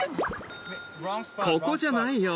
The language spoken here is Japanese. ここじゃないよ。